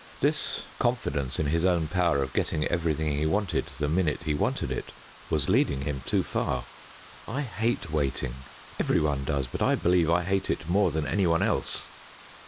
This confidence in his own power of getting everything he wanted the minute he wanted it was leading him too far. I hate waiting. Every one does, but I believe I hate it more than any one else.